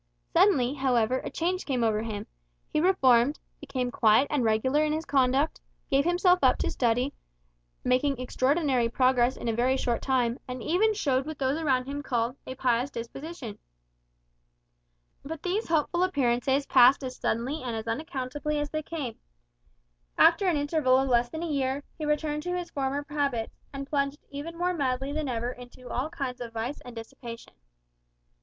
Suddenly, however, a change came over him. He reformed, became quiet and regular in his conduct; gave himself up to study, making extraordinary progress in a very short time; and even showed what those around him called "a pious disposition." But these hopeful appearances passed as suddenly and as unaccountably as they came. After an interval of less than a year, he returned to his former habits, and plunged even more madly than ever into all kinds of vice and dissipation.